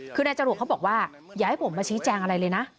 คือนายจรวดเขาบอกว่าอย่าให้ผมมาชี้แจงอะไรเลยนะ